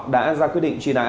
đã ra quyết định truy nã